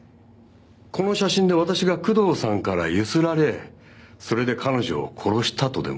この写真で私が工藤さんから強請られそれで彼女を殺したとでも？